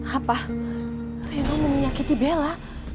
apa reno menyakitin bella